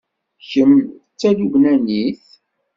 Kemm d Talubnanit?